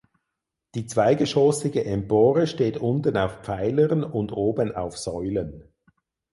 Die zweigeschoßige Empore steht unten auf Pfeilern und oben auf Säulen.